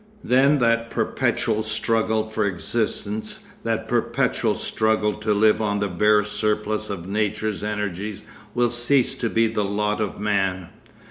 'Then that perpetual struggle for existence, that perpetual struggle to live on the bare surplus of Nature's energies will cease to be the lot of Man.